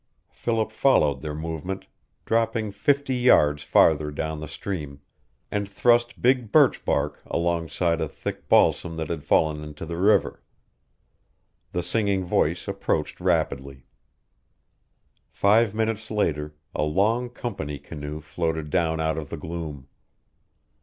Philip followed their movement, dropping fifty yards farther down the stream, and thrust big birch bark alongside a thick balsam that had fallen into the river. The singing voice approached rapidly. Five minutes later a long company canoe floated down out of the gloom.